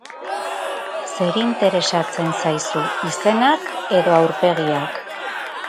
Zer interesatzen zaizu, izenak edo aurpegiak?